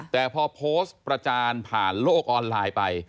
แต่พอโพสต์ประจานผ่านโลกออนไลน์ไป